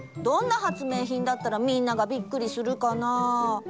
どんな発明品だったらみんながびっくりするかな。